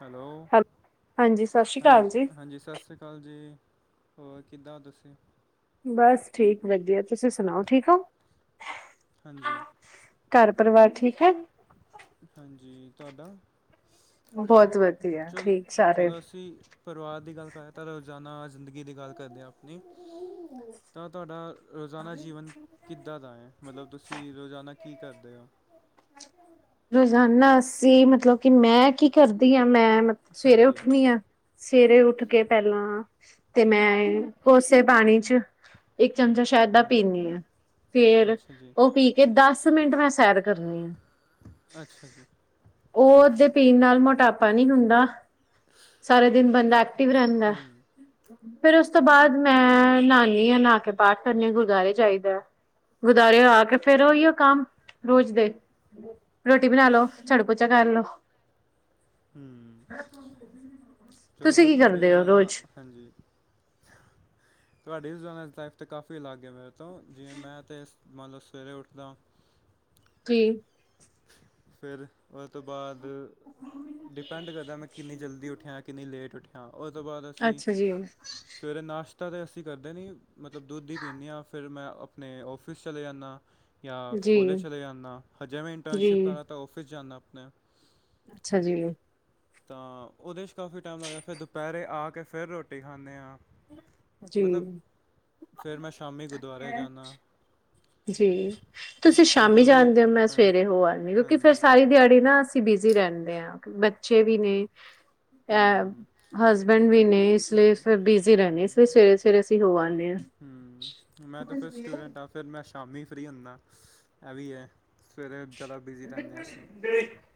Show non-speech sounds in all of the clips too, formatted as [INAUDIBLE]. Hello. Hello ਹਾਂਜੀ ਸਤਿ ਸ਼੍ਰੀ ਅਕਾਲ ਹਾਂਜੀ! ਜੀ ਹਾਂਜੀ! ਸਤਿ ਸ਼੍ਰੀ ਅਕਾਲ ਜੀ। ਹੋਰ ਕਿੱਦਾਂ ਹੋ ਤੁਸੀਂ। ਬਸ ਠੀਕ ਵਧੀਆ ਤੁਸੀਂ ਸੁਣਾਓ ਠੀਕ ਹੋ। ਹਾਂਜੀ। ਘਰ ਪਰਿਵਾਰ ਠੀਕ ਹੈ। ਹਾਂਜੀ! ਤੁਹਾਡਾ। ਬਹੁਤ ਵਧੀਆ ਠੀਕ ਸਾਰੇ ਜਦੋਂ ਅਸੀਂ ਪਰਿਵਾਰ ਦੀ ਗੱਲ ਕਰਹੇ ਤਾਂ ਰੋਜ਼ਾਨਾ ਜ਼ਿੰਦਗੀ ਦੀ ਗੱਲ ਕਰਦੇ ਹਾਂ ਆਪਣੀ! ਤਾਂ ਤੁਹਾਡਾ ਰੋਜ਼ਾਨਾ ਜੀਵਨ ਕਿੱਦਾਂ ਦਾ ਏ ਮਤਲਬ ਤੁਸੀਂ ਰੋਜ਼ਾਨਾ ਕੀ ਕਰਦੇ ਹੋ? [INAUDIBLE] ਰੋਜ਼ਾਨਾ ਅਸੀਂ ਮਤਲਬ ਕਿ ਮੈਂ ਕੀ ਕਰਦੀ ਹਾਂ। ਮੈਂ ਮਤਲਬ ਸਵੇਰੇ ਹਾਂਜੀ ਉੱਠਣੀ ਆ। ਸਵੇਰੇ ਉੱਠ ਕੇ ਪਹਿਲਾਂ ਤੇ ਮੈਂ ਕੋਸੇ ਪਾਣੀ ਚ ਇੱਕ ਚਮਚਾ ਸ਼ਹਿਦ ਦਾ ਹਾਂਜੀ ਪੀਂਨੀ ਹਾਂ ਫਿਰ ਅੱਛਾ ਜੀ ਉਹ ਪੀ ਕੇ ਦੱਸ ਮਿੰਟ ਮੈਂ ਸੈਰ ਕਰਨੀ ਆ। ਅੱਛਾ ਜੀ ਉਹਦੇ ਪੀਣ ਨਾਲ ਮੋਟਾਪਾ ਨਹੀਂ ਹੁੰਦਾ। ਸਾਰੇ ਦਿਨ ਬੰਦਾ ਐਕਟੀਵ ਰਹਿੰਦੈ। ਹੂੰ ਫਿਰ ਉਸ ਤੋਂ ਬਾਅਦ ਮੈਂ ਨਾਨੀ ਆਂ ਨਾਂਹ ਕੇ ਪਾਠ ਕਰਨੀ ਆ ਗੁਰਦੁਆਰੇ ਜਾਈਦੈ। ਗੁਰਦਵਾਰੇਓ ਆ ਕੇ ਫਿਰ ਉਹੀਓ ਕੰਮ। ਰੋਜ਼ ਦੇ ਰੋਟੀ ਬਣਾ ਲੋ! ਝਾੜੂ ਪੋਚਾ ਕਰ ਲੋ! [INAUDIBLE] ਹਮ ਚਲੋ ਤੁਸੀਂ ਫੇਰ ਕੀ ਤੁਹਾਡੇ ਕਰਦੇ ਹੋ ਰੋਜ਼ਾਨਾ ਰੋਜ਼? ਹਾਂਜੀ। ਤੁਹਾਡੇ ਕਾਫੀ ਅਲਗ ਏ ਮੇਰੇ ਤੋਂ ਜੇ ਮੈਂ ਤੇ ਮਨ ਲੋ ਸਵੇਰੇ ਉੱਠਦਾ ਕੀ? ਫੇਰ ਉਹਦੇ ਤੋਂ ਬਾਅਦ ਡਿਪੈਂਡ ਕਰਦਾ ਮੈਂ ਕਿੰਨੀ ਜਲਦੀ ਉੱਠਿਆ। ਕਿੰਨੀ ਲੇਟ ਉੱਠਿਆ! ਉਹਦੇ ਤੋਂ ਬਾਅਦ ਅਸੀਂ ਅੱਛਾ ਜੀ। ਸਵੇਰੇ ਨਾਸ਼ਤਾ ਤਦੇ ਅਸੀਂ ਕਰਦੇ ਨੀ ਮਤਲਬ ਦੁੱਧ ਹੀ ਪੀਂਨੇ ਆਂ ਫੇਰ ਮੈਂ ਆਪਣੇ ਆਫਿਸ ਚਲੇ ਜਾਂਨਾ। ਜਾਂ ਕੋਲੇਜ ਜੀ, ਚਲੇ ਜਾਂਨਾ ਹਜੇ ਮੈਂ ਜੀ ਇੰਟਰਨਸ਼ਿਪ ਕਰਾ ਤਾਂ ਆਫਿਸ ਜਾਂਨਾ ਆਪਣੇ। ਅੱਛਾ ਜੀ। ਤਾਂ ਉਹਦੇ ਚ ਕਾਫੀ ਟਾਈਮ ਲੱਗਦਾ ਫਿਰ ਦੁਪਹਿਰੇ ਆ ਕੇ ਫਿਰ ਰੋਟੀ ਖਾਣੇ ਹਾਂ। ਜੀ, ਮਤਲਬ ਫੇਰ ਮੈਂ ਸ਼ਾਮੀ ਗੁਰਦੁਆਰੇ ਜਾਂਨਾ। ਜੀ ਤੁਸੀਂ ਸ਼ਾਮੀ ਵੀ ਜਾਣਦੇ ਹੋ ਮੈਂ ਡਿਪੈਂਡ ਸਵੇਰੇ ਹੋ ਆਂ ਨੀ ਕਿਉਂਕਿ ਫੇਰ ਹਾਂਜੀ ਸਾਰੀ ਦਿਹਾੜੀ ਨਾ ਅਸੀਂ ਬਿਜ਼ੀ ਰਹਿੰਦੇ ਹਾਂ ਬੱਚੇ ਵੀ ਨੇ ਹੂੰ ਹਸਬੈਂਡ ਵੀ ਨੇ ਇਸ ਲਈ ਹਾਂਜੀ ਫਿਰ ਬਿਜ਼ੀ ਰਹਿੰਦੇ ਇਸ ਲਈ ਸਵੇਰੇ ਸਵੇਰੇ ਅਸੀਂ ਹੋ ਆਂਨੇ ਹਾਂ। ਹ ਮ ਮੈਂ ਤੇ ਫੇਰ ਸਟੂਡੈਂਟ ਹਾਂ ਫੇਰ ਮੈਂ ਸ਼ਾਮੀ ਫ੍ਰੀ ਹੁਨਾ ਇਹ ਵੀ ਹੈ। ਸਵੇਰੇ ਜ਼ਿਆਦਾ ਬਿਜ਼ੀ ਰਹਿੰਦੇ ਹਾਂ ਅਸੀਂ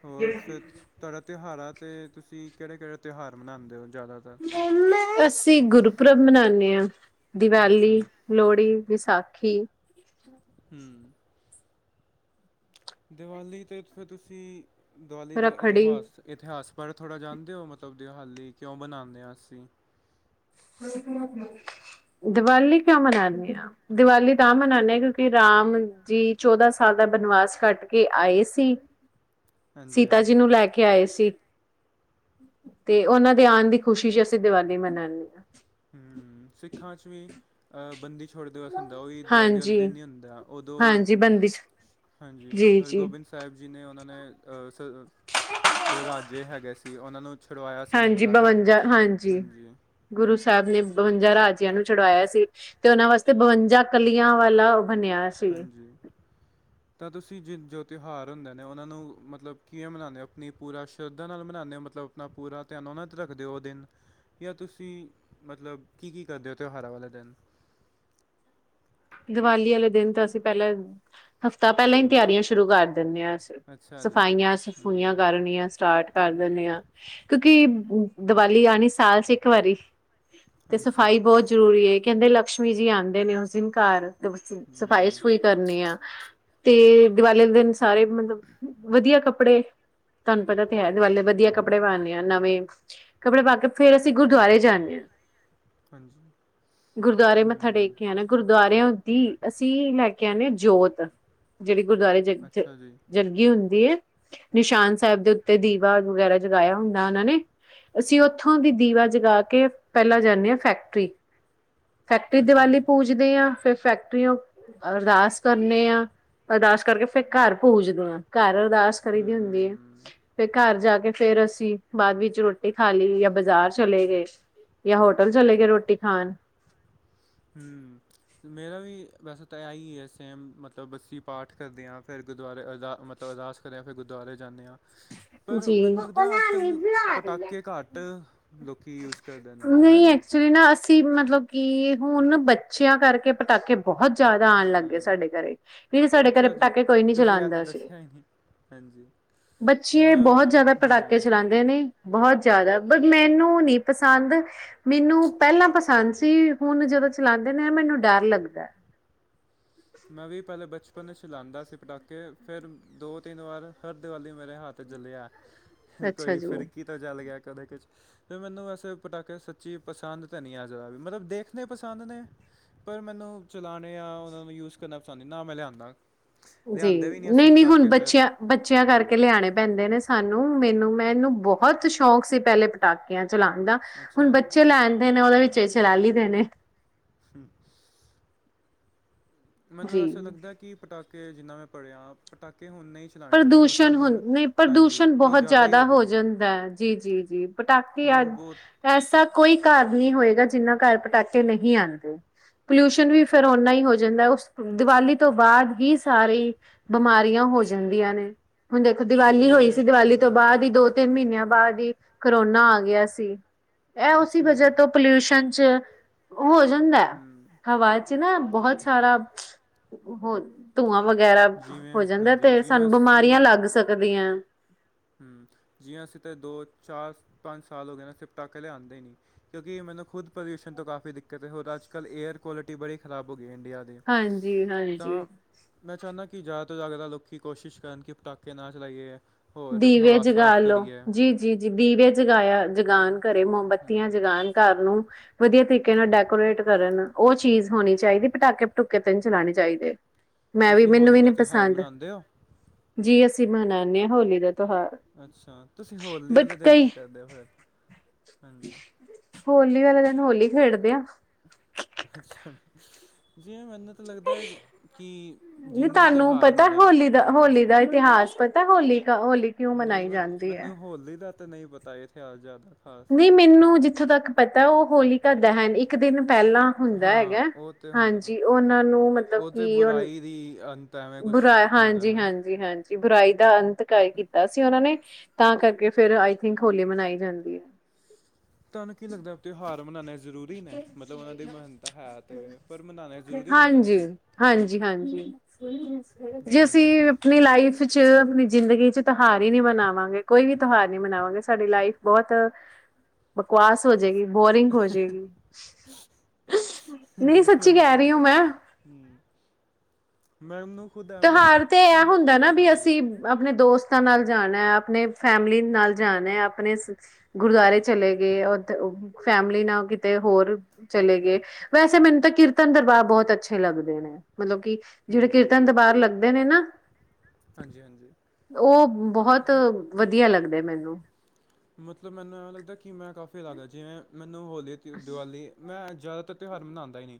ਹੋਰ ਫਿਰ ਤੁਹਾਡਾ ਤਿਉਹਾਰ ਤੇ ਤੁਸੀਂ ਕਿਹੜੇ ਕਿਹੜੇ ਤਿਉਹਾਰ ਮਨਾਉਂਦੇ ਹੋ। ਜ਼ਿਆਦਾਤਰ ਮੰਮਾ ਅਸੀਂ ਗੁਰਪਰਵ ਮਨਾਨੇ ਹਾਂ। ਅੱਛਾ ਦੀਵਾਲੀ ਲੋਹੜੀ ਵਿਸਾਖੀ। ਹ ਮ ਦੀਵਾਲੀ ਤੇ ਫਿਰ ਤੁਸੀਂ ਦੀਵਾਲੀ ਦਾ ਰੱਖੜੀ। ਇਥੋਂਹਾਸ ਇਤਿਹਾਸ ਪਰ ਥੋੜ੍ਹਾ ਜਾਣਦੇ ਹੋ ਮਤਲਬ ਦਿਹਾਲੀ ਕਿਉਂ ਮਨਾਂਦੇ ਹਾਂ ਅਸੀਂ। [UNINTELLIGIBLE] ਦਵਾਲੀ ਕਯੋਂ ਮਨਾਨੇ ਆ, ਦਿਵਾਲੀ ਤਾਂ ਮਨਾਨੇ ਆ ਕਯੋਂਕਿ ਰਾਮ ਜੀ ਚੌਦਾਂ ਸਾਲ ਦਾ ਬਨਵਾਸ ਕਾੱਟ ਕੇ ਆਏ ਸੀ [UNINTELLIGIBLE] ਸੀਤਾ ਜੀ ਹਾਂਜੀ ਨੂੰ ਲੈ ਕੇ ਆਏ ਸੀ। ਤੇ ਓਨਾਂ ਦੇ ਆਨ ਦੀ ਖੁਸ਼ੀ ਚ ਅਸੀ ਦਵਾਲੀ ਮਨਾਨੇ ਆਂ। ਹੂੰ, ਸਿੱਖਾ ਚ ਵੀ ਅ‌ ਬੰਦਿਛੋ [UNINTELLIGIBLE] ਦਿਵਸ ਹੁੰਦਾ ਓਈ ਦਵਾਲੀ ਵਾਲੇ ਹਾਂਜੀ, ਦਿਨ ਈ ਹੁੰਦਾ ਓਦੋਂ ਹਾਂਜੀ ਬੰਦਿਸ਼ ਹਾਂਜੀ, ਜੀ, ਜੀ ਹਰਗੋਬਿੰਦ ਸਾਹੇਬ ਜੀ ਨੇ ਓਨਾ ਨੇ ਅ ਸ ਜੋ ਰਾਜੇ ਹੈਗੇ ਸੀ ਓਨਾਂ ਨੂੰ ਛੁਡਵਾਇਆ ਸੀ ਹਾਂਜੀ, ਮੁਗਲਾਂ ਤੋਂ ਬਵੰਜਾ ਹਾਂਜੀ, ਗੁਰੂ ਸ ਸਾਬ ਨੇ ਬਵੰਜਾ ਰਾਜੇਆਂ ਨੂੰ ਛੂੜਾਏਆ ਸੀ, ਤੇ ਓਨਾਂ ਵਾਸਤੇ ਬਵੰਜਾ ਕਲੀਆਂ ਵਾਲਾ ਬਨੇਆ ਸੀ। [UNINTELLIGIBLE] ਤਾਂ ਤੁਸੀ ਜੀ ਜੋ ਤੇਓਹਾਰ ਹੁੰਦੇ ਨੇ ਓਨਾਂ ਨੂੰ ਮਤਲਬ ਕਿਵੇਂ ਮਨਾਨੇ ਓ, ਆਪਨੀ ਪੂਰਾ ਸ਼ਰਧਾ ਨਾਲ ਮਨਾਨੇ ਓ ਮਤਲਬ ਅਪਨਾ ਪੂਰਾ ਧਿਆਨ ਓਨਾ ਤੇ ਰੱਖਦੇ ਓ, ਓ ਦਿਨ ਯਾ ਤੁਸੀ ਮਤਲਬ ਕੀ ਕੀ ਕਰਦੇ ਓ ਤਓਹਾਰਾਂ ਵਾਲੇ ਦਿਨ ਦੀਵਾਲੀ ਆਲੇ ਦਿਨ ਤਾਂ ਅਸੀਂ ਪਹਿਲਾਂ ਹਫ਼ਤਾ ਪਹਿਲਾਂ ਹੀ ਹੂੰ, ਤਿਆਰੀਆਂ ਸ਼ੁਰੂ ਕਰ ਦਿੰਦੇ ਹਾਂ ਅਸੀਂ ਅੱਛਾ ਜੀ ਸਫਾਈਆਂ ਸਫੂਈਆਂ ਹੂੰ ਕਰਨੀਆਂ ਸਟਾਰਟ ਕਰ ਦਿੰਣੇ ਹਾਂ ਕਿਉਂਕਿ ਦੀਵਾਲੀ ਆਂਨੀ ਸਾਲ ਚ ਇੱਕ ਵਾਰੀ। ਤੇ ਹਾਂਜੀ ਸਫ਼ਾਈ ਬਹੁਤ ਜ਼ਰੂਰੀ ਏ ਕਹਿੰਦੇ ਲਕਸ਼ਮੀ ਜੀ ਆਂਦੇ ਨੇ ਉਸ ਦਿਨ ਘਰ। [UNINTELLIGIBLE] ਸਫ਼ਾਈ ਜੀ ਸਫੂਈ ਕਰਨੀ ਆ। ਤੇ ਦਵਾਲੀ ਦੇ ਦੇਨ ਸਾਰੇ ਮਲਬ ਵਦੀਆ ਕੱਪੜੇ ਤਾਨ ਪਤਾ ਤੇ ਹੈ ਦਵਲੀ ਵਦੀਆ ਕੱਪੜੇ ਪਾਨੇ ਆ ਨਵੇਂ, ਕੱਪੜੇ ਪਾ ਕੇ ਫੇਰ ਅਸੀ ਗੁਰਦਵਾਰੇ ਜਾਂਨੇ ਆ। [UNINTELLIGIBLE] ਗੁਰਦੁਆਰੇ ਮੱਥਾ ਟੇਕ ਹੂੰ ਕੇ ਆਨਾ ਗੁਰ ਸਾਰੇਆਂ ਦੀ ਅਸੀ ਲੈ ਕੇ ਆਨੇ ਆਂ ਜੋਤ ਜੇੜੀ ਗੁਰਦੁਆਰੇ ਜ ਜ ਅੱਛਾ ਜੀ ਜਗੀ ਹੁਨ [INAUDIBLE] ਨਿਸ਼ਾਨ ਸਾਏਬ ਦੇ ਉੱਤੇ ਦੀਵਾ ਵਗੈਰਾ ਜਗਾਏਆ ਹੁੰਦਾ ਓਨਾਂ ਨੇ ਅਸੀ ਓਥੋਂ ਦੀ ਦੀਵਾ ਜਗਾ ਕੇ ਪੈਲਾਂ ਜਾਨੇ ਆਂ ਫੈਕਟਰੀ ਫੈਕਟਰੀ ਅੱਛਾ ਦਵਾਲੀ ਜੀ ਪੂਜਦੇ ਆਂ, ਫੇਰ ਫੈਕਟਰੀਯੋ ਅਰਦਾਸ ਕਰਨੇ ਆਂ- ਅਰਦਾਸ ਕਰਕੇ ਫੇਰ ਘਾਰ ਪੂਜਦੇ ਆਂ, ਘਾਰ ਅਰਦਾਸ ਕਰੀ ਦੀ ਹੁੰਦੀ ਏ, ਹੂੰ ਫੇਰ ਘਾਰ ਜਾ ਕੇ ਫੇਰ ਅਸੀ ਬਾਦ ਵਿੱਚ ਰੋਟੀ ਖਾ ਲੀ ਯਾ ਬਾਜ਼ਾਰ ਚਲੇ ਗਏ। ਯਾ ਹੋਟਲ ਚਲੇਗੇ ਰੋਟੀ ਖਾਨ ਹੂੰ, ਮੇਰਾ ਵੀ ਵੈਸੇ ਤਾਂ ਆਈ ਏ ਸੇਮ ਮਤਲਬ ਅਸੀ ਪਾਠ ਕਰਦੇ ਆਂ ਫੇਰ ਗੁਰਦੁਆਰੇ ਅਰਦਾ ਮਤਲਬ ਅਰਦਾਸ ਕਰੇਆ ਫੇਰ ਗੁਰਦੁਆਰੇ ਜਾਨੇ ਆਂ ਪਰ ਜੀ। ਮੈਨ ਲੱਗਦਾ ਅੱਜ-ਕੱਲ ਪਟਾਕੇ ਘਾਟ ਲੋਕੀ ਯੂਜ਼ ਕਰਦੇ ਨੇ, ਹਨਾ ਜੀ। ਤੇ ਨਾ ਅਸੀ ਮਤਲਬ ਕਿ ਹੁਨ ਬੱਚੇਆਂ ਕਰਕੇ ਪਟਾਕੇ ਬੋਹਤ ਜੈਦਾ ਆਨ ਲੱਗ ਗਏ ਹੂੰ ਸਾਡੇ ਘਰੇ, ਵੀਰੇ ਸਾਡੇ ਘਰੇ ਅੱਛਾ ਜੀ ਪਟਾਕੇ ਕੋਈ ਨੀ ਤੁਸੀਂ ਆ ਚਲਾਂਦਾ ਤਾਂ ਸੀ। ਦੱਸਿਆ ਹੀ ਨਹੀਂ ਹਾਂਜੀ। ਯੇ ਜਿਵੇਂ ਬੋਤ ਜੈਦਾ ਪਟਾਕੇ ਹੂੰ ਚਲਾਂਦੇ ਨੇ ਬੋਹਤ ਜੈਦਾ ਬਟ ਮੈਨੂੰ ਨੀ ਪਸੰਦ ਮੈਨੂੰ ਪੈਲਾਂ ਪਸੰਦ ਸੀ ਹੁਨ ਜਦੋਂ ਚਲਾਂਦੇ ਨੇ ਮੈਨੂੰ ਡਾਰ ਲੱਗਦਾ। ਮੈਂ ਵੀ ਪੈਲੇ ਬਚ [UNINTELLIGIBLE] ਲਾਂਦਾ ਸੀ ਪਟਾਕੇ ਫੇਰ ਦੋ ਤਿੰਨ ਵਾਰ ਹਰ ਦਵਾਲੀ ਮੇਰੇ ਹੱਥ ਜਲੇਆ ਅੱਛਾ ਕੋਈ ਜੀ। ਫਿਰਕੀ ਤਾ ਚੱਲ ਗੇਆ। ਕਦੇ ਕੋਛ ਤੇ ਮੈਨੂੰ ਵੈਸੇ ਪਟਾਕੇ ਸੱਚੀ ਪਸੰਦ ਤੇ ਨੀ ਏ ਜਰਾ ਵੀ ਮਲਬ ਦੇਖਨੇ ਪਸੰਦ ਨੇ। ਪਰ ਮੈਨੂੰ ਚਲਾਨੇ ਆ ਓਨਾਂ ਨੂੰ ਯੂਜ ਕਰਨਾ ਪਸੰਦ ਨੀ ਨਾ ਮੈਂ ਲਿਆਨਾ ਜੀ ਨਈ, ਨਈ ਹੁਨ ਬੱਚੇਆ, ਬੱਚੇਆ ਕਰਕੇ ਹੂੰ ਲਿਆਣੇ ਪੈਂਦੇ ਨੇ ਸਾਨੂੰ ਮੈਨੂੰ ਮੈਨੂੰ ਬਹੁਤ ਸ਼ੌਂਕ ਸੀ ਪਹਿਲੇ ਪਟਾਖੇ ਆ ਜਲਾਂਦਾ ਹੁਣ ਅੱਛਾ ਜੀ। ਬੱਚੇ ਲੈ ਆਂਦੇ ਨੇ ਉਹਦੇ ਵਿੱਚ ਚਲਾਲੀ ਦੇ ਨੇ- ਹੂੰ। ਮੈਨੂੰ ਵੈਸੇ ਜੀ ਲੱਗਦਾ ਕਿ ਪਟਾਕੇ ਜਿੰਨਾ ਵੀ ਬਣਿਆ ਪਟਾਕੇ ਹੁਣ ਨਹੀਂ ਚਲਾਉਣੇ ਚਾਹੀਦੇ ਪ੍ਰਦੂਸ਼ਣ ਮਤਲਬ ਹੁਣ ਹਾਂਜੀ ਪ੍ਰਦੂਸ਼ਣ ਉਹ ਬਹੁਤ ਜ਼ਿਆਦਾ ਹੀ ਜਿਆਦਾ ਹੋ ਗਿਆ ਹੁਣ ਜਾਂਦਾ ਜੀ ਜੀ ਜੀ ਪਟਾਕੇ ਹੁਣ ਅੱਜ ਬਹੁਤ ਐਸਾ ਕੋਈ ਘਰ ਨਹੀਂ ਹੋਏਗਾ ਜਿੰਨਾ ਘਰ ਪਟਾਕੇ ਨਹੀਂ ਆਦੇ। ਪੋਲਿਊਸ਼ਨ ਵੀ ਫਿਰ ਉਨਾ ਹੀ ਹੋ ਜਾਂਦਾ ਉਸ ਦਿਵਾਲੀ ਤੋਂ ਬਾਅਦ ਵੀ ਸਾਰੀ ਬਮਾਰੀਆਂ ਹੋ ਜਾਂਦੀਆਂ ਨੇ ਹੁਣ ਦੇਖੋ ਦੀਵਾਲੀ ਹੋਈ ਜਿਵੇਂ ਸੀ ਦੀਵਾਲੀ ਤੋਂ ਹਾਂਜੀ ਬਾਅਦ ਹੀ ਦੋ ਤਿੰਨ ਮਹੀਨਿਆਂ ਬਾਅਦ ਹੀ ਕਰੋਨਾ ਆ ਗਿਆ ਸੀ ਇਹ ਉਸੀ ਅੱਛਾ ਵਜਹਾ ਜੀ ਤੋਂ ਪਲਿਊਸ਼ਨ ਚ- ਹੋ ਜਾਂਦਾ ਹੂੰ ਆਵਾਜ਼ ਚ ਨਾ ਬਹੁਤ ਸਾਰਾ- ਵਗੈਰਾ ਹੋ ਜਿਵੇਂ ਜਾਂਦਾ ਹਾਂਜੀ ਤੇ ਜਿਵੇਂ ਸਾਨੂੰ ਬਮਾਰੀਆਂ ਲੱਗ ਸਕਦੀਆਂ। ਜੀ ਅਸੀਂ ਤੇ ਦੋ ਚਾਰ ਪੰਜ ਸਾਲ ਹੋ ਗਏ ਨਾ ਪਟਾਕੇ ਲਿਆਂਦੇ ਹੀ‌ ਨਹੀਂ ਕਿਉਂਕਿ ਚਲੋ ਖੁਦ ਪੋਲੂਯਸ਼ਨ ਤੋਂ ਕਾਫੀ ਦਿੱਕਤ ਏ ਉਰ ਅੱਜ ਕੱਲ ਏਅਰ ਕੁਆਲਿਟੀ ਬੜੀ ਖਰਾਬ ਹੋ ਗੀ। ਇੰਡੀਆ ਦੀ ਹਾਂਜੀ ਤਾਂ ਹਾਂਜੀ ਮੈਂ ਚਾਹੁੰਣਾ ਕਿ ਦੀ ਰਾਤ ਜਾਗਦਾ ਲੋਕੀ ਕੋਸ਼ਿਸ਼ ਕਰਨ ਕਿ ਪਟਾਕੇ ਨਾ ਚਲਾਈਏ- ਹੋਰ ਦੀਵੇ ਹਵਾ ਜਗਾ ਸਾਫ਼ ਕਰੀਏ ਲਓ ਜੀ ਜੀ ਬੀਵੇ ਜਗਾਇਆ ਜਗਾਨ ਘੱਰੇ ਮੋਬੱਤੀਆਂ ਹੂੰ ਜਗਾਣ ਘੱਰ ਨੂੰ- ਵਧੀਆ ਤਰੀਕੇ ਨਾਲ ਡੈਕੋਰੇਟ ਕਰਨ ਉਹ ਚੀਜ਼ ਹੋਣੀ ਚਾਹੀਦੀ ਪਟਾਕੇ ਪੁੱਟਕੇ ਤੇ ਨਹੀ ਚਲਾਣੇ ਚਾਹੀਦੇ। ਮੈਂ ਵੀ ਤੁਸੀ ਮੈਨੂੰ ਹੋਲੀ ਵੀ ਨੀ ਦਾ ਤੇਓਹਾਰ ਹਾਰ ਪਸੰਦ ਮਨਾਂਦੇ ਓ? ਜੀ ਅਸੀ ਬਣਾਨੇ ਆ ਹੋਲੀ ਦਾ ਤਿਉਹਾਰ ਅੱਛਾ, ਤੁਸੀ ਹੋਲੀ ਬਟ ਵਾਲੇ ਦਿਨ ਕਈ ਕੀ ਕਰਦੇ ਓ ਫੇਰ ਹੋਲੀ ਵਾਲੇ ਦਿਨ ਹੋਲੀ ਖੇਡਦੇ ਆ। ਅੱਛਾ, ਜੇ ਮੈਂਨਤ ਲੱਗਦਾ ਕਿ ਨਹੀਂ ਜਿੰਨੇ ਵੀ ਤੁਹਾਨੂੰ ਤਿਉਹਾਰ ਹੁੰਦੇ ਪਤਾ ਨੇ- ਹੋਲੀ ਦਾ ਹੋਲੀ ਦਾ ਇਤਿਹਾਸ ਪਤਾ ਹੋਲੀ ਕਿਉਂ ਮਨਾਈ ਜਾਂਦੀ ਐ? ਤੇ ਨਹੀਂ ਪਤਾ ਇਹ ਤਿਹਾਰ-ਸ਼ਯਾਰ ਨਹੀਂ ਮੈਨੂੰ ਜਿੱਥੋਂ ਤੱਕ ਪਤਾ ਉਹ ਹੋਲਿਕਾ ਦੈਹਨ ਇੱਕ ਦਿਨ- ਪਹਿਲਾਂ ਹੁੰਦਾ ਹਾਂ ਹੈਗਾ ਉਹ ਤੇ ਹੁੰਦਾ ਹਾਂਜੀ ਉਹਨਾਂ ਨੂੰ ਮਤਲਬ ਉਹ ਤੇ ਕਿ ਬੁਰਾਈ ਦੀ ਅੰਤ ਐਵੇਂ ਕੁਛ ਬੁਰਾ ਹੁੰਦਾ ਹੈ ਨਾ ਹਾਂਜੀ-ਹਾਂਜੀ-ਹਾਂਜੀ। ਬੁਰਾਈ ਦਾ ਅੰਤ ਕਾਇ ਕੀਤਾ ਸੀ ਉਹਨਾਂ ਨੇ ਤਾਂ ਕਰਕੇ ਫਿਰ ਆਈ ਥਿੰਕ ਹੋਲੀ ਮਨਾਈ ਜਾਂਦੀ। ਤੁਹਾਨੂੰ ਕੀ ਲੱਗਦਾ ਤਿਉਹਾਰ ਮਨਾਣੇ ਜਰੂਰੀ ਨੇ ਮਤਲਬ ਉਹਨਾਂ ਦੇ- ਹਾਂਜੀ-ਹਾਂਜੀ-ਹਾਂਜੀ! ਜੀ ਅਸੀਂ ਆਪਣੀ ਲਾਈਫ ਚ ਆਪਣੀ ਜ਼ਿੰਦਗੀ ਚ- ਹਾਰ ਹੀ ਨਹੀਂ ਬਣਾਵਾਂਗੇ ਕੋਈ ਵੀ ਤਿਉਹਾਰ ਨਹੀਂ ਮਣਾਵਾਂਗੇ ਸਾਡੀ ਲਾਈਫ ਬਹੁਤ- ਬਕਵਾਸ ਹੋ ਜੇਗੀ ਬੋਰਿੰਗ ਹੋ ਜੇਗੀ। ਨਹੀਂ ਹਾਂਜੀ ਸੱਚੀ ਕਹਿ ਰਹੀ ਹੂ ਮੈਂ ਮੈ ਉਹਨੂੰ- ਤੁਹਾਰ ਤੇ ਆ ਹੁੰਦਾ ਨਾ ਵੀ ਅਸੀਂ ਆਪਣੇ ਦੋਸਤ ਤਾਂ ਨਾਲ ਜਾਣਾ ਅਪਣੇ ਫੈਮਲੀ ਨਾਲ ਜਾਣਾ ਅਪਣੇ- ਗੁਰਦੁਆਰੇ ਹੂੰ ਚਲੇ ਗਏ। ਫੈਮਿਲੀ ਨਾਲ ਕਿਤੇ ਹੋਰ ਚਲੇ ਗਏ ਵੈਸੇ ਮੈਨੂੰ ਤਾਂ ਕੀਰਤਨ ਦਰਬਾਰ ਬਹੁਤ ਅੱਛੇ ਲੱਗਦੇ ਨੇ- ਮਤਲਬ ਕਿ ਜਿਹੜੇ ਹਾਂਜੀ ਕੀਰਤਨ ਦਰਬਾਰ ਲੱਗਦੇ ਨੇ ਨਾ- ਹਾਂਜੀ ਹਾਂਜੀ ਉਹ ਬਹੁਤ ਵਧੀਆ ਲੱਗਦੇ- ਮਤਲਬ ਮੈਨੂੰ ਐਵੇਂ ਲੱਗਦਾ ਕਿ ਮੈਂ ਕਾਫ਼ੀ ਅਲੱਗ ਜਿਵੇਂ ਮੈਨੂੰ ਹੋਲੀ ਦੀਵਾਲੀ ਮੈਂ ਜ਼ਿਆਦਾਤਰ ਤਿਉਹਾਰ ਮਨਾਉਂਦਾ ਹੀ ਨਹੀਂ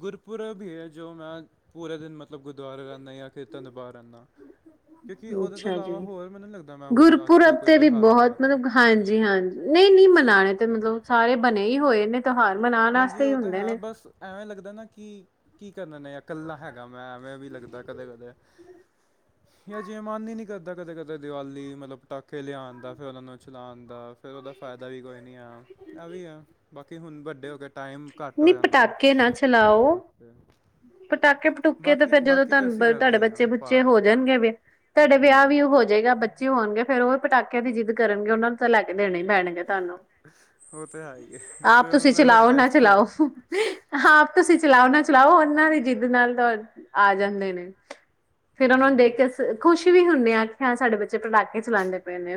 ਗੁਰਪੁਰਬ ਵੀ ਹੈ ਜੋ ਮੈਂ ਪੂਰੇ ਦਿਨ ਮਤਲਬ ਗੁਰਦੁਆਰਾ ਰਹਿੰਦਾ ਹਾਂ ਖੇਤਾਂ ਦੇ ਬਾਹਰ ਰਹਿਣਾ ਕਿਉਂਕਿ ਉਹਦੇ ਤੋਂ ਅੱਛਾ ਜੀ ਇਲਾਵਾ ਹੋਰ ਮੈਨੂੰ ਲੱਗਦਾ ਮੈਂ ਹੁਣ ਅੱਜ ਕੱਲ੍ਹ ਕੋਈ ਤਿਉਹਾਰ ਮਨਾ ਰਿਹਾ ਹਾਂਜੀ-ਹਾਂਜੀ ਨਹੀਂ-ਨਹੀਂ ਮਨਾਣੇ ਤੇ ਮਤਲਬ ਸਾਰੇ ਬਣੇ ਹੀ ਹੋਏ ਨੇ ਤਿਉਹਾਰ ਮਨਾਉਣ ਹਾਂਜੀ ਵਾਸਤੇ ਹੀ ਉਹ ਤਾਂ ਹੁੰਦੇ ਹੈ ਨੇ ਬਸ ਐਵੇਂ ਲੱਗਦਾ ਨਾ ਕਿ ਕੀ ਕਰ ਨੇ ਇਕੱਲਾ ਹੈਗਾ ਮੈਂ ਐਵੇਂ ਵੀ ਲੱਗਦਾ ਕਦੇ-ਕਦੇ ਜਾਂ ਜੇ ਮਨ ਹੀ ਨਹੀ ਕਰਦਾ ਕਦੇ ਕਦੇ ਦੀਵਾਲੀ ਮਤਲਬ ਪਟਾਕੇੇ ਲਿਆਣ ਦਾ ਫੇਰ ਉਹਨਾ ਨੂੰ ਚਲਾਣ ਦਾ ਫੇਰ ਉਹਦਾ ਫਾਇਦਾ ਵੀ ਕੋਈ ਨੀ ਆ, ਇਹ ਵੀ ਆ ਬਾਕੀ ਹੁਣ ਵੱਡੇ ਕੇ ਟਾਈਮ ਘੱਟ ਹੋ ਨਹੀਂ ਜਾਂਦਾ ਪਟਾਕੇ ਨਾ ਚਲਾਓ ਪਟਾਕੇ -ਪਟੂਕੇ, ਤੇ ਬਾਕੀ ਫੇਰ ਜਦੋਂ ਬਾਕੀ ਤਾਂ ਤੁਹਾਨੂੰ ਅਸੀਂ ਕਰਦੇ ਤੁਹਾਡੇ ਹੀ ਹਾਂ ਬੱਚੇ- ਬੁੱਚੇ, ਪਾਠ ਹੋ ਹੂੰ ਜਾਣਗੇ ਵਿਆਹ ਤੁਹਾਡੇ, ਵਿਆਹ ਵੀ ਉਹ ਹੋ ਜਾਏਗਾ ਬੱਚੇ ਹੋਣਗੇ, ਫੇਰ ਉਹ ਵੀ ਪਟਾਕਿਆਂ ਦੀ ਜਿੱਦ ਕਰਨਗੇ, ਉਹਨਾਂ ਨੂੰ ਤਾਂ ਲੈ ਕੇ ਦੇਣੇ ਹੀ ਪੈਣਗੇ ਤੁਹਾਨੂੰ, ਉਹ ਤਾਂ ਹੈ ਹੀ ਹੈ ਆਪ ਫਿਰ ਤੁਸੀਂ ਉਹਨਾਂ ਦਾ ਅਲੱਗ ਚਲਾਓ ਨਾ ਟਾਈਪ ਦਾ ਚਲਾਓ ਲੱਗਦਾ ਆਪ ਤੁਸੀਂ ਚਲਾਓ ਨਾ ਚਲਾਓ, ਉਹਨਾਂ ਦੀ ਜਿੱਦ ਨਾਲ ਤਾਂ ਆ ਜਾਂਦੇ ਨੇ ਫੇਰ ਉਹਨਾਂ ਨੂੰ ਦੇਖ ਹੂੰ ਕੇ ਖੁਸ਼ੀ ਵੀ ਹੁੰਦੇ ਆ, ਸਾਡੇ ਬੱਚੇ ਪਟਾਕੇ ਚਲਾਦੇ ਪਏ ਨੇ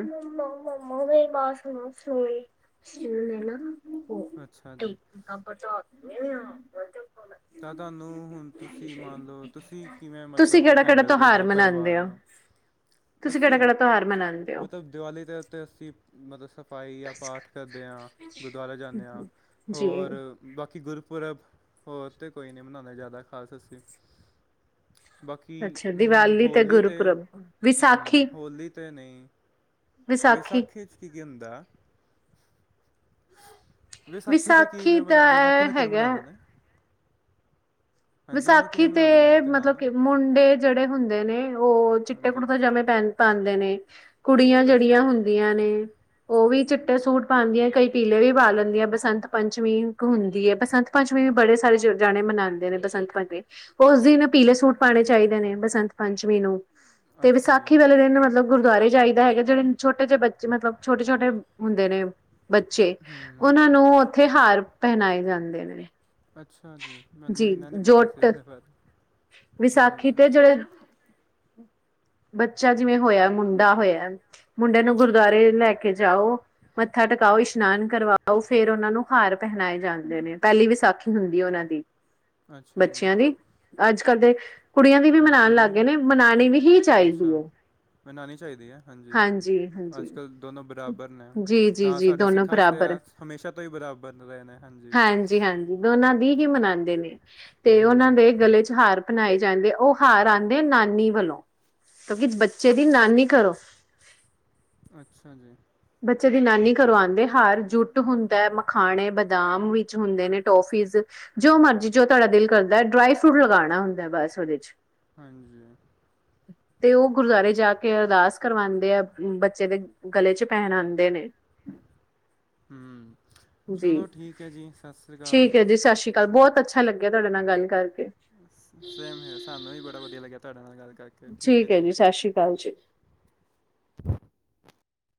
ਅੱਛਾ ਜੀ [INAUDIBLE] ਤਾਂ ਤੁਹਾਨੂੰ ਹੁਣ ਤੁਸੀਂ ਮੰਨ ਲਓ, ਤੁਸੀਂ ਕਿਵੇਂ ਤੁਸੀਂ ਮਤਲਬ ਕਿਹੜਾ-ਕਿਹੜਾ ਹੈਂਡਲ ਕਰਦੇ ਤਿਉਹਾਰ ਹੋ ਪਰਿਵਾਰ ਮਨਾਉਂਦੇ ਹੋ? ਨੂੰ ਤੁਸੀਂ ਅਸੀ, ਕਿਹੜਾ-ਕਿਹੜਾ ਤਿਉਹਾਰ ਮਨਾਉਂਦੇ ਹੋ? ਮਤਲਬ ਦੀਵਾਲੀ ਦੇ ਉੱਤੇ ਅਸੀ ਮਤਲਬ ਸ ਪਾਈ ਆ ਪਾਠ ਕਰਦੇ ਹਾਂ, ਗੁਰਦੁਆਰਾ ਜਾਂਦੇ ਹਾਂ ਜੀ ਹੋਰ ਬਾਕੀ ਗੁਰ ਪੁਰਬ ਹੋਰ ਤੇ ਕੋਈ ਨੀ ਮਨਾਉਂਦੇ, ਜ਼ਿਆਦਾ ਖ਼ਾਸ ਅਸੀਂ ਬਾਕੀ ਅੱਛਾ ਹਮ, ਦੀਵਾਲੀ ਤੇ ਹੋਲੀ ਗੁਰਪੁਰਬ ਤੇ-ਹਮ ਵਿਸਾਖੀ ਹੋਲੀ ਤਾਂ ਨਹੀਂ ਵਿਸਾਖੀ ਚ ਕੀ ਕੀ ਹੁੰਦਾ? ਵਿਸਾਖੀ ਤੇ ਕੀਵੇ, ਦਾ ਵਿਸਾਖੀ ਇਹ ਨੂੰ ਕਿਵੇਂ ਹੈਗਾ ਮਨਾਂਦੇ ਨੇ? ਹਾਂਜੀ ਉਹਨੂੰ ਵਿਸਾਖੀ ਕਿਵੇਂ ਤੇ ਮਨਾਉਂਦੇ ਨੇ ਉਹ ਤਿਉਹਾਰ ਮਤਲਬ ਨੂੰ ਕਿ ਮੁੰਡੇ ਜਿਹੜੇ ਹੁੰਦੇ ਨੇ ਉਹ ਚਿੱਟੇ ਹਾਂਜੀ ਕੁੜਤਾ ਪਜਾਮੇ ਪਹਿ ਪਾਉਂਦੇ ਨੇ ਕੁੜੀਆਂ ਜਿਹੜੀਆਂ ਅੱਛਾ ਹੁੰਦੀਆਂ ਨੇ ਉਹ ਵੀ ਚਿੱਟੇ ਸੂਟ ਪਾਦੀਆਂ ਕਈ ਪੀਲੇ ਵੀ ਪਾ ਲੈਂਦੀਆਂ ਬਸੰਤ ਪੰਚਮੀ ਇੱਕ ਹੁੰਦੀ ਏ ਬਸੰਤ ਪੰਚਮੀ ਵੀ ਬੜੇ ਸਾਰੇ ਜਾਣੇ ਮਣਾਣਦੇ ਨੇ ਬਸੰਤ ਪੰਚਮੀ, ਉਸ ਦਿਨ ਪੀਲੇ ਸੂਟ ਪਾਉਣੇ ਚਾਹੀਦੇ ਨੇ, ਬਸੰਤ ਪੰਚਮੀ ਨੂੰ ਤੇ, ਅੱਛਾ ਜੀ ਵਿਸਾਖੀ ਵਾਲੇ ਦਿਨ ਮਤਲਬ ਗੁਰਦੁਆਰੇ ਜਾਈਦਾ ਹੈਗਾ, ਜਿਹੜੇ ਛੋਟੇ ਜਿਹੇ ਬੱਚੇ ਮਤਲਬ ਛੋਟੇ-ਛੋਟੇ ਹੁੰਦੇ ਨੇ ਬੱਚੇ, ਹੂੰ ਉਹਨਾਂ ਨੂੰ ਉੱਥੇ ਹਾਰ ਪਹਿਨਾਏ ਜਾਂਦੇ ਨੇ ਅੱਛਾ ਜੀ, ਮੈਨੂੰ ਜੀ ਇਨਾ ਨੀ ਪਤਾ ਸੀ ਜੋਟ ਇਹਦੇ ਬਾਰੇ ਵਿਸਾਖੀ ਹੂੰ ਤੇ ਜਿਹੜੇ [INAUDIBLE] ਬੱਚਾ ਜਿਵੇਂ ਹੋਇਆ ਮੁੰਡਾ ਹੋਇਆ, ਮੁੰਡੇ ਨੂੰ ਗੁਰਦੁਆਰੇ ਲੈ ਕੇ ਜਾਓ ਮੱਥਾ ਟਕਾਓ, ਇਸ਼ਨਾਨ ਕਰਵਾਓ, ਫੇਰ ਉਹਨਾਂ ਨੂੰ ਹਾਰ ਪਹਿਨਾਏ ਜਾਂਦੇ ਨੇ, ਪਹਿਲੀ ਵਿਸਾਖੀ ਹੁੰਦੀ ਉਹਨਾਂ ਦੀ ਅੱਛਾ ਜੀ ਬੱਚਿਆਂ ਦੀ ਅੱਜ -ਕੱਲ੍ਹ ਤੇ ਕੁੜੀਆਂ ਦੀ ਵੀ ਹੋਰ ਮਨਾਉਣ ਲੱਗ ਕੁੜੀਆਂ ਗਏ ਨੇ, ਮਨਾਉਣੀ ਵੀ ਹੀ ਚਾਹੀਦੀ ਅੱਛਾ ਹੈ ਮਨਾਉਣੀ ਚਾਹੀਦੀ ਹੈ, ਹਾਂਜੀ ਅੱਜ ਕੱਲ੍ਹ ਦੋਨੋ ਬਰਾਬਰ ਨੇ ਜੀ ਜੀ ਤਾਂ ਜੀ ਸਾਡੇ ਦੋਨੋ ਸਿੱਖਾਂ ਚ ਤੇ ਬਰਾਬਰ ਹਮੇਸ਼ਾ ਤੋਂ ਹੀ ਬਰਾਬਰ ਰਹੇ ਨੇ ਹਾਂਜੀ ਹਾਂਜੀ ਦੋਨਾਂ ਦੀ ਹੀ ਮਨਾਉਂਦੇ ਨੇ ਤੇ ਉਹਨਾਂ ਦੇ ਗਲੇ ਚ ਹਾਰ ਪਹਿਨਾਏ ਜਾਂਦੇ, ਉਹ ਹਾਰ ਆਉਂਦੇ ਨਾਨੀ ਵੱਲੋਂ ਕਿਉਂਕਿ, ਬੱਚੇ ਕਿਉਂਕਿ ਦੀ ਬ ਨਾਨੀ ਘਰੋ ਅੱਛਾ ਜੀ ਬੱਚੇ ਦੀ ਨਾਨੀ ਘਰੋਂ ਆਉਂਦੇ, ਹਾਰ ਜੁੱਟ ਹੁੰਦਾ ਹੈ ਮਖਾਣੇ ਬਦਾਮ ਵਿੱਚ ਹੁੰਦੇ ਨੇ ਟੋਫੀਜ਼, ਜੋ ਮਰਜੀ ਜੋ ਤੁਹਾਡਾ ਦਿਲ ਕਰਦਾ ਡਰਾਈ ਫਰੂਟ ਲਗਾਉਣਾ ਹੁੰਦਾ ਬਸ ਉਹਦੇ ਚ ਹਾਂਜੀ ਤੇ ਉਹ ਗੁਰਦੁਆਰੇ ਜਾ ਕੇ ਅਰਦਾਸ ਕਰਵਾਉਂਦੇ ਆ, ਬੱਚੇ ਦੇ ਗਲੇ ਚ ਪਹਿਨਾਦੇ ਨੇ। ਹਮ ਜੀ ਚਲੋ ਠੀਕ ਹੈ, ਜੀ ਸਤਿ ਸ੍ਰੀ ਅਕਾਲ। ਠੀਕ ਹੈ ਜੀ ਸਤਿ ਸ਼੍ਰੀ ਬਹੁਤ ਅੱਛਾ ਲੱਗਿਆ, ਤੁਹਾਡੇ ਨਾਲ ਗੱਲ ਕਰਕੇ। ਸੇਮ ਹੇਅਰ, ਸਾਨੂੰ ਵੀ ਬੜਾ ਵਧੀਆ ਲੱਗਿਆ, ਤੁਹਾਡੇ ਨਾਲ ਗੱਲ ਠੀਕ ਹੈ ਜੀ, ਸਤਿ ਸ਼੍ਰੀ ਅਕਾਲ ਜੀ।